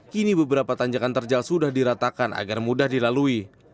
kini beberapa tanjakan terjal sudah diratakan agar mudah dilalui